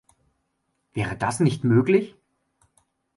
Wäre das nicht möglich?